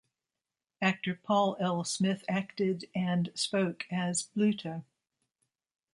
Actor Paul L. Smith acted and spoke as Bluto.